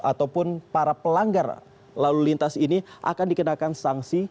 ataupun para pelanggar lalu lintas ini akan dikenakan sanksi